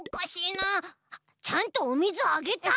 ちゃんとおみずあげた？